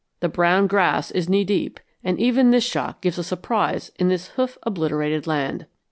"The brown grass is knee deep, and even this shock gives a surprise in this hoof obliterated land.